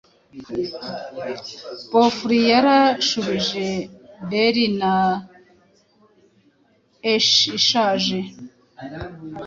Beowulf yarashubijebairn ya Ecgtheow ishaje